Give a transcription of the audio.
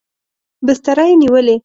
بستره یې نیولې.